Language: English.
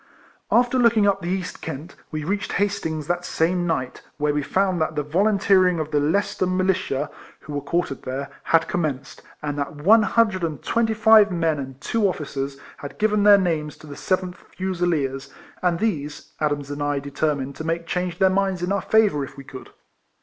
After looking up the East Kent, we reached Hastings that same night, where we found that the volunteering of the Lei cester Militia (who were quartered there) had commenced, and that one hundred and 246 RECOLLECTIONS OF twenty five men and two officers had given their names to the 7th Fusileers, and these, Adams and I determined to make change their minds in our favour if we could.